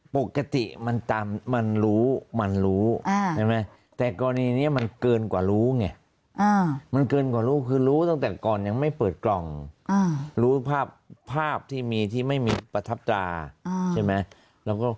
ปกติมันตามมันรู้มันรู้ใช่ไหมแต่กรณีนี้มันเกินกว่ารู้ไงมันเกินกว่ารู้คือรู้ตั้งแต่ก่อนยังไม่เปิดกล่องรู้ภาพที่มีที่ไม่มีประทับตาใช่ไหม